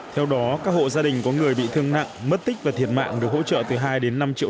theo đó các hộ gia đình có người bị thương nặng mất tích và thiệt mạng được hỗ trợ từ hai đến năm triệu